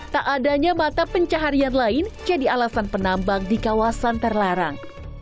tak adanya mata pencaharian lain jadi alasan penambang di kawasan terlarang